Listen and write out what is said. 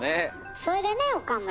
それでね岡村。